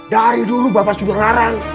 dari dulu bapak sudah larang